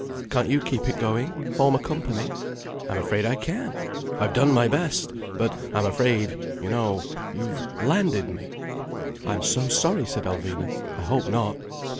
"Can't you keep it going?—form a company?" "I'm afraid I can't. I've done my best. But I'm afraid, you know, you've landed me." "I'm so sorry," said Alvina. "I hope not."